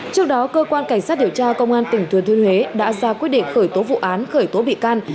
trước đó cơ quan cảnh sát điều tra công an tỉnh thừa thiên huế đã ra quyết định khởi tố vụ án khởi tố bị can